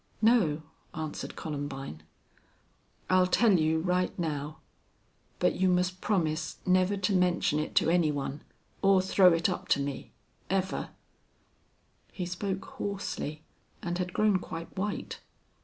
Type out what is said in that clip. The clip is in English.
"No," answered Columbine. "I'll tell you right now. But you must promise never to mention it to any one or throw it up to me ever." He spoke hoarsely, and had grown quite white.